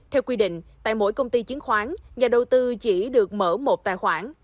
theo quy định tại mỗi công ty chứng khoán nhà đầu tư chỉ được mở một tài khoản